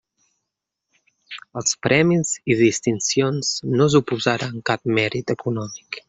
Els premis i distincions no suposaran cap mèrit econòmic.